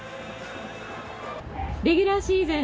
レギュラーシーズン